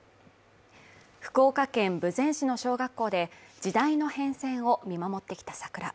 福岡県豊前市の小学校で、時代の変遷を見守ってきた桜。